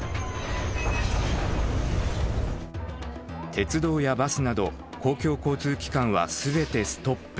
鉄道やバスなど公共交通機関は全てストップ。